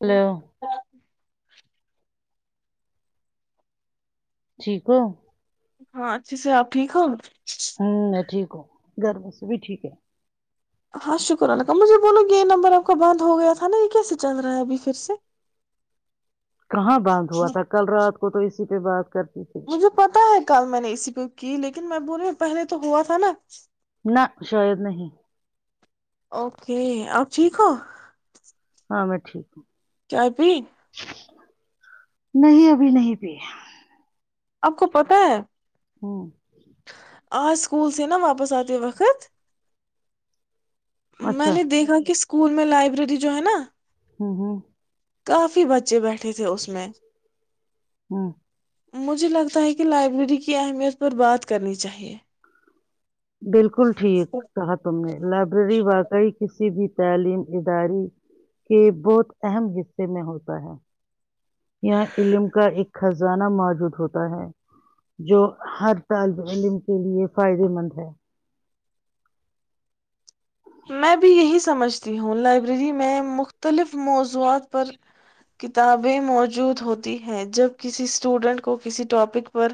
پل ٹھیک ہو ہاں اچھے سے آپ ٹھیک ہو ہوں ٹھیک گھر بسو بھی ٹھیک ہے ہاں شکر اللہکم مجھے بولو گ کہ یہ نمبر آپ کا بند ہو گیا تھا نا یہ کیسے چل رہا ہے ابھی پھر سے کہاں بانھ ہوا تھا کل رات کو تو اس پہ بات کرتے مجھے پتا ہے کل میں نے اسی پہ کی لیکن لیکن میں بول میں پہلے تو ہوا تھا نا نہ شاید نہیں اوکے اپ ٹھیک ہو ہاں میں ٹھیک ہوں چائے پین نہیں ابھی نہیں پ آپ کو پتہ ہے ہوں [unintelligible] آ سکول س نا واپس آتےتے وقت میں اچھا نے دیکھا کس اسکول میں لائبریری جو ہے نا ہوں ہوں کافی بچ بچے بیٹھے تھے اس میں ہوں [inaudible] مجھے لگتا ہے کہ لائبریری کی اہمیت پر بات کرنی چاہیے بالکل ٹھیک کہا تم نے لائبریری واقعی کسی بھی تعلیم ادارے کے بہت اہم حصے میں ہوتا ہے [inaudible] یہاں علم کا ایک خزانہ موجود ہوتا ہے جو ہر طالب علم کے لیے فائدے مند ہے میں بھی یہی سمجھتی ہوں لائبریری میں مختلف موضوعات پر کتابیں موجود ہوتی ہیں جب کسی اسٹوڈینٹ کو کسی ٹاپک پر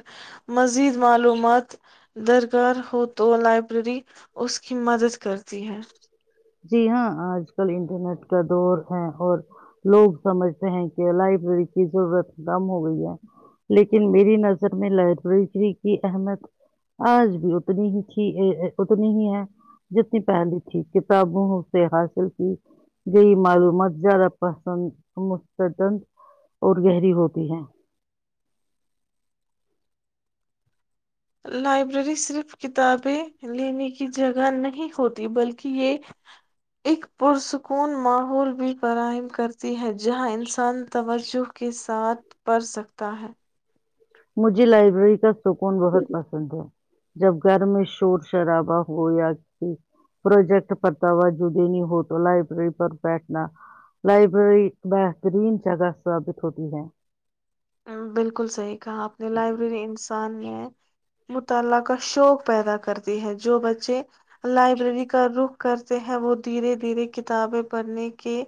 مزید معلومات درکار ہو تو لائبریری اس کی مدد کر جی ہے [inaudible] جی ہاں آج کل انٹرنیٹ کا دور ہے اور لوگ سمجھتے ہیں کہ لائبریری کی ضرورت کم ہو گئی ہے لیکن میری نظر میں لائبریریری کی اہمیت آج بھی اتنی ہی تھی اتنی ہی ہے جتنی پہلی تھی کتابوں سے حاصل کی یہی معلومات زیادہ پسند مستد اور گہری ہوتی ہے [inaudible] لائبریری صرف کتابیں لینے کی جگہ نہیں ہوتی بلکہ یہ ایک پرسکون ماحول بھی فراہم کرتی ہے جہاں انسان توجہ کے ساتھ پڑھ سکتا ہے [inaudible] مجھے لائبریری کا [inaudible] سکون بہت پسند [inaudible] جب گھر میں شور شرابہ ہو یا کسی پروجیکٹ پر توجہ دینی ہو تو لائبریری پر بیٹھنا لائبریری بہترین جگہ ثابت ہوتی ہے [inaudible] بالکل صحیح [inaudible] کہاں اپنے لائبریری انسان [inaudible] مطالعہ کا شوق پیدا کرتی ہے جو بچے لائبریری کا رخ کرتے ہیں وہ دھیرے دھیرے کتابیں پڑھنے کے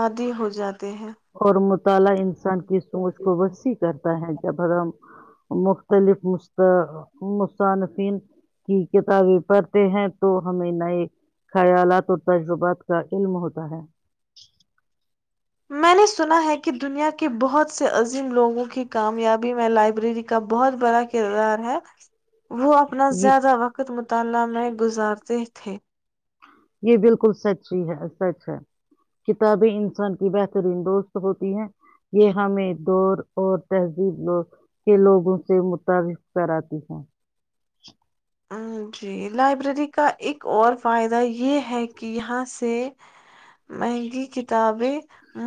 عادی ہو جاتے [inaudible] ت ہیں [inaudible] تعالیا انسان کی سوچ کو وسیع کرتا ہے [inaudible] ر مختلف مصانفین کی کتابیں پڑھتے ہیں تو ہمیں نئے خیالات اور تجربات کا علم ہوتا ہے [inaudible] میں نے سنا ہے کہ دنیا کے بہت سے عظیم لوگوں کی کامیابی میں لائبریری کا بہت بڑا کردار ہے وہ اپنا یہ زیادہ وقت مطالعہ میں گزارتے تھے یہ بالکل سچی ہے سچ ہے کتابیں انسان کی بہترین دوست ہوتی ہیں یہ ہمیں دور اور تہذیبگ کے لوگوں سے مطابق کراتی ہیں [inaudible] جی لائبریری کا [inaudible] ایک اور فائدہ یہ ہے کہ یہاں سے مہنگی کتابیں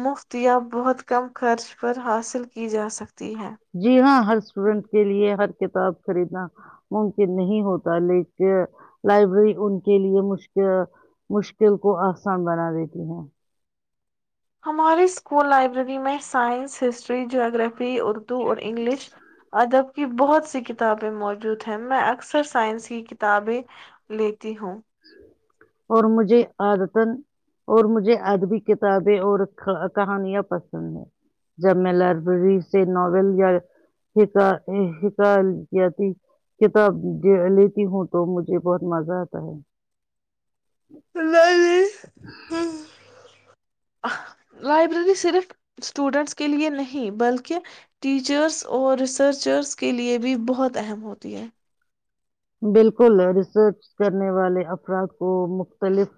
مفت یا بہت کم خرچ پر حاصل کی جا سکتی ہے جی ہاں ہر اسٹوڈینٹ کے لیے ہر [inaudible] کتاب خریدنا ممکن نہیں ہوتا لیکن لائبریری ان کے لیے مشک مشکل کو آسان بنا دیتی ہے [inaudible] ہمارے اسکول لائبریری میں سائنس ہسٹری جگرافی اردو اور انگلش ادب کی بہت سی کتابیں موجود ہیں میں اکثر سائنس کی کتابیں لیتی ہوں اور مجھے آدتان اور مجھے ادبی کتابیں اور کہانیاں پسند ہیں جب میں لائبریری سے ناول یا ح کتاب لیتی ہوں تو مجھے بہت مزہ آتا ہے ہ [inaudible] لائبریری صرف اسٹوڈنٹس کے لئے نہیں بلکہ ٹیچرس اور ریسرچرس کے لئے بھی بہت اہم ہوتی ہے بالکل ریسرچ کرنے والے افراد کو مختلف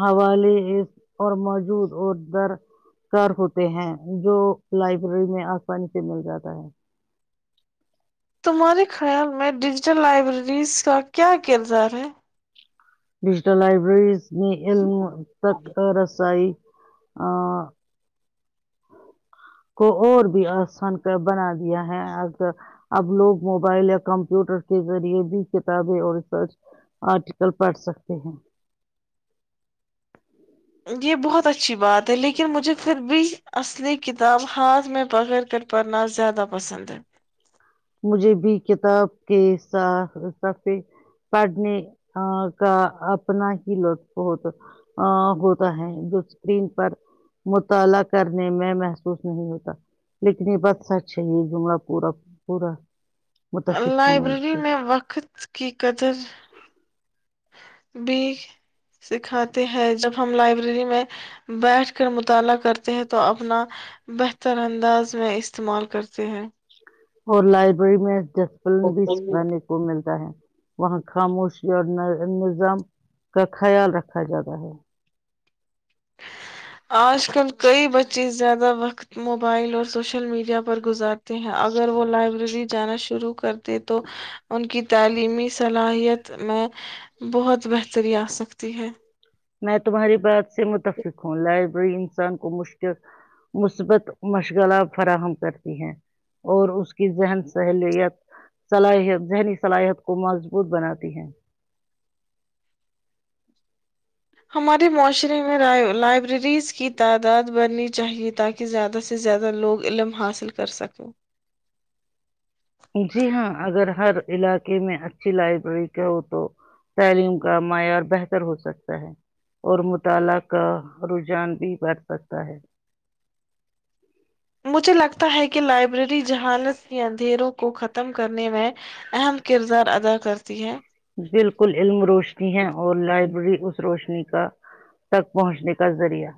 حوالے اور موجود اور درکار ہوتے ہیں جو لائبریری میں آسانی سے مل جاتا ہے [inaudible] تمہارے خیال میں ڈ لائبریریز کا کیا کردار ہے ڈیجیٹل لائبریریز [inaudible] نے علم تک ا رسائی [inaudible] آ [inaudible] کو اور بھی آسان کا بنا دیا ہے اب لوگ موبائل یا کمپیوٹر کے ذریعے بھی کتابیں اور ریسرچ آرٹیکل پڑھ سکتے ہیں [unintelligible] یہ بہت اچھی بات ہے لیکن مجھے پھر بھی اصلی کتاب ہاتھ میں پکڑ کر پڑھنا زیادہ پسند ہے مجھے بھی کتاب کے س صفح پڑھنے کا اپنا ہی لطف ہو ہوتا ہے جو اسکرین پر مطالعہ کرنے میں محسوس نہیں ہوتا لیکن یہ بس سچ ہے یہ جملہ پورا [unintelligible] پورا [unintelligible] ہوں اس لائبریری سے میں وقت کی قدر بھی سکھاتے ہیں جب ہم لائبریری میں بیٹھ کر مطالعہ کرتے ہیں تو اپنا بہتر انداز میں استعمال کرتے ہیں اور لائبریری میں [unintelligible] چسپن بھی سکھانے کو ملتا ہے [unintelligible] وہاں خاموشی اور نظام کا خیال رکھا جاتا ہے [unintelligible] آج کل کئی بچے زیادہ وقت موبائل اور سوشل میڈیا پر گزارتے ہیں اگر وہ لائبریری جانا شروع [unintelligible] شروع کرتے [unintelligible] تھ تو ان کی [unintelligible] تعلیمی صلاحیت میں بہت بہتری آ سکتی ہے [unintelligible] میں تمہاری بات سے متفق ہوں لائبریری انسان کو مشکل مثبت مشغلہ فراہم کرتی ہے اور اس کی ذہن سہلیت صلاحیت ذہنی صلاحیت کو مضبوط بناتی ہے ہمارے معاشرے میں لائبریریز کی تعداد بڑھنی چاہیے تاکہ زیادہ سے زیادہ لوگ علم حاصل کرسکیں جی ہاں اگر ہر علاقے میں اچھی لائبریری کا ہو تو تعلیم کا معیار بہتر ہو سکتا ہے اور مطالعہ کا رجحان بھی بڑھ سکتا ہے مجھے لگتا ہے کہ لائبریری جہانت کے اندھیروں کو ختم کرنے میں اہم کردار ادا کرتی ہے بالکل علم روشنی ہے اور لائبریری اس روشنی کا تک پہنچنے کا ذریعہ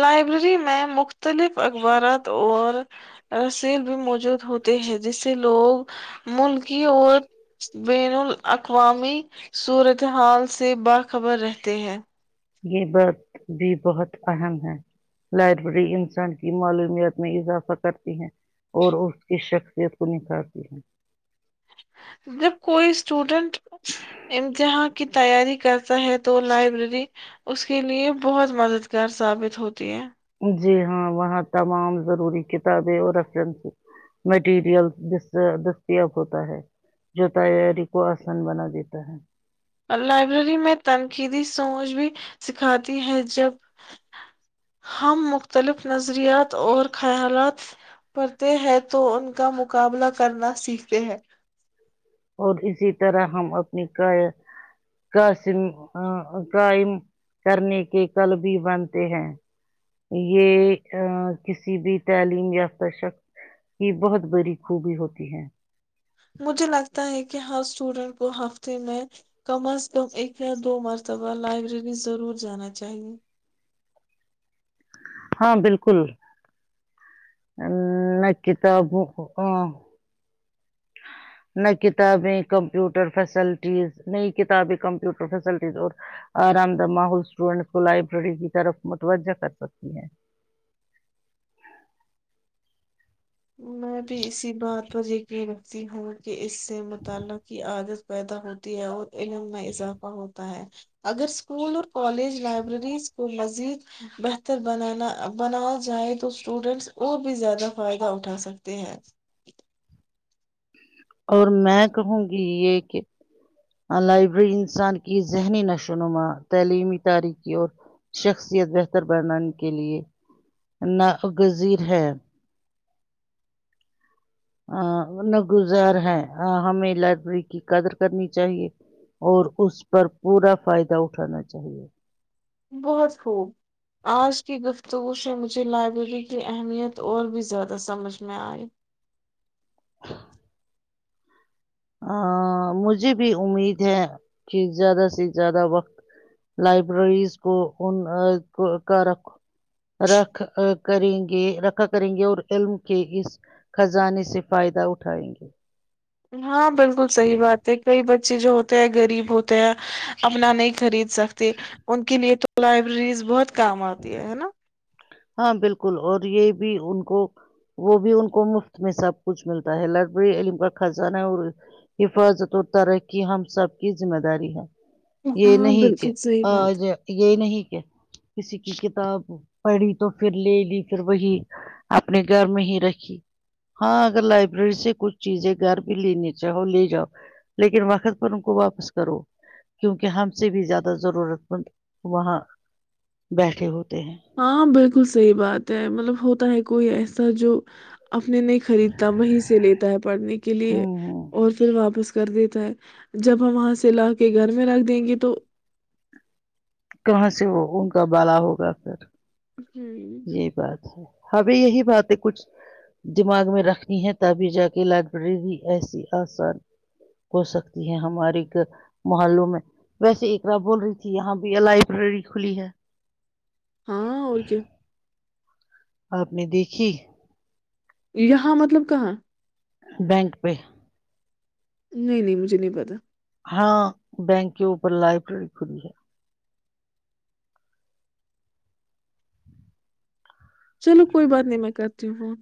لائبریری میں مختلف اخبارات اور رسیل بھی موجود ہوتے ہیں جسے لوگ ملکی اور بین الاقوامی صورتحال سے باخبر رہتے ہیں یہ بات بھی بہت اہم ہے لائبریری انسان کی معلومیت میں اضافہ کرتی ہے اور اس کی شخصیت کو نکھارتی ہے جب کوئی اسٹوڈنٹ جہاں کی تیاری کرتا ہے تو لائبریری اس کے لیے بہت مددگار ثابت ہوتی ہے جی ہاں وہاں تمام ضروری کتابیں اور ریفرنس مٹیریل دستیاب ہوتا ہے جو تیاری کو آسان بنا دیتا ہے لائبریری میں تنقیدی سوچ بھی سکھاتی ہے جب ہم مختلف نظریات اور خیالات پڑتے ہیں تو ان کا مقابلہ کرنا سیکھتے ہیں اور اسی طرح ہم اپنی کا قسم قائم کرنے کے کل بھی بنتے ہیں یہ کسی بھی تعلیم یافتہ شخص کی بہت بریی خوبی ہوتی ہے مجھے لگتا ہے کہ ہر اسٹوڈنٹ کو ہفتے میں کم از کم ایک یا دو مرتبہ لائبریری ضرور جانا چاہیئے ہاں بالکل ا میں کتاب ہ نہ کتابیں کمپیوٹر فیسلٹیز نئی کتابیں کمپیوٹر فیسلٹیز اور آرام دہ ماحول اسٹوڈینٹس کو لائبریری کی طرف متوجہ کر سکتی ہیں میں بھی اسی بات پر رکھتی ہوں کہ اس سے مطالعہ کی عادت پیدا ہوتی ہے اور علم میں اضافہ ہوتا ہے اگر اسکول اور کالج لائبریریز کو مزید بہتر بنانا بنایا جائے تو اسٹوڈینٹس اور بھی زیادہ فائدہ اٹھا سکتے ہیں اور میں کہوں گی یہ کہ لائبریری انسان کی ذہنی نشو نما تعلیمی تاریخی اور شخصیت بہتر بنانے کے لیے ناگذیر ہے نگزار ہے ہمیں لائبریری کی قدر کرنی چاہیے اور اس پر پورا فائدہ اٹھانا چاہیے بہت خوب آج کی گفتگو سے مجھے لائبریری کی اہمیت اور بھی زیادہ سمجھ میں آئی ا مجھے بھی امید ہے کہ زیادہ سے زیادہ وقت لائبریریز کو ان کا رکھو رکھ کریں گے رکھا کریں گے اور علم کے اس خزانے سے فائدہ اٹھائیں گے ہاں بالکل صحیح بات ہے کئی بچے جو ہوتے ہیں غریب ہوتے ہیں اپنا نہیں خرید سکتے ان کے لیے تو لائبریریز بہت کام آتی ہے ہے نا ہاں بالکل اور یہ بھی ان کو وہ بھی ان کو مفت میں سب کچھ ملتا ہے لائبریری علم کا خزانہ اور حفاظت اور ترحی ہم سب کی ذمہ داری ہے یہ ہاں نہیں کہ بالکل صحیح بات آج یہ نہیں کہ کسی کی کتاب پڑھی تو پھر لے لی پھر وہی اپنے گھر میں ہی رکھی ہاں اگر لائبریری سے کچھ چیزیں گھر بھی لینی چاہو لے جاؤ لیکن وقت پر ان کو واپس کرو کیونکہ ہم سے بھی زیادہ ضرورت مند وہاں بیٹھے ہوتے ہیں ہاں بالکل بالکل صحیح بات ہے مطلب ہوتا ہے کوئی ایسا جو اپنے نہیں خریدتا وہیں سے لیتا ہے پڑھنے کے لیے ہ اور پھر واپس کر دیتا ہے جب ہم وہاں سے لا کے گھر میں رکھ دیں گے تو کہاں سے وہ ان کا بالا ہوگا پھر ہوں، یہی بات ہے ہمیں یہی باتیں کچھ دماغ میں رکھنی ہے تبھی جا کے لائبریری بھی ایسی آسان ہو سکتی ہے ہمارے محلوں میں ویسے ایک رات بول رہی تھی یہاں بھی لائبریری کھلی ہے ہاں اور کیا آپ نے دیکھی یہاںاں مطلب کہاںاں بینک پہ نہیں نہیں مجھے نہیں پتا ہاں بینک کے اوپر لائبریری کھلی ہے چلو کوئی بات نہیں میں کرتی ہوں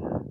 ہاں